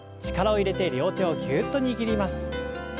力を入れて両手をぎゅっと握ります。